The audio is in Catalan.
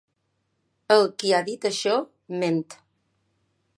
El qui ha dit això ment.